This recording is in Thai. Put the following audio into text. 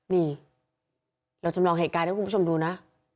นี่เราจำลองเหตุการณ์ให้คุณผู้ชมดูนะ